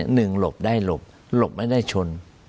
หลบได้หลบหลบไม่ได้ชน